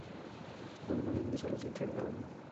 পুরানো হিন্দি চলচ্চিত্রের গান।